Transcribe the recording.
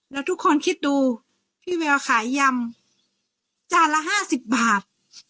แล้วทุกคนคิดดูพี่แววขายยำจานละ๕๐บาท